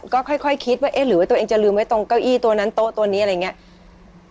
ก็ค่อยคิดว่าเอ๊ะหรือว่าตัวเองจะลืมไว้ตรงเก้าอี้ตัวนั้นโต๊ะตัวนี้อะไรอย่างนี้